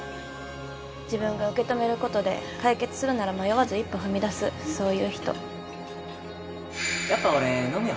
自分が受け止めることで解決するなら迷わず一歩踏み出すそういう人やっぱ俺飲むよ